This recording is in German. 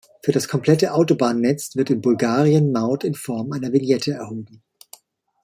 Für das komplette Autobahnnetz wird in Bulgarien Maut in Form einer Vignette erhoben.